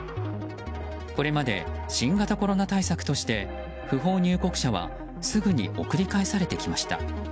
これまで新型コロナ対策として不法入国者はすぐに送り返されてきました。